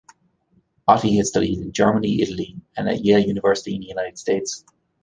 Otte had studied in Germany, Italy, and at Yale University in the United States.